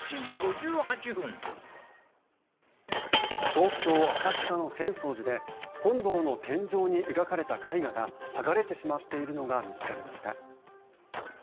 東京・浅草の浅草寺で本堂の天井に描かれた絵画が剥がれてしまっているのが見つかりました。